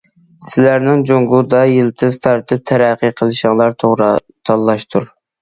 سىلەرنىڭ جۇڭگودا يىلتىز تارتىپ تەرەققىي قىلىشىڭلار توغرا تاللاشتۇر.